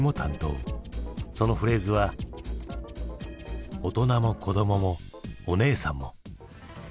そのフレーズは「大人も子供も、おねーさんも。」。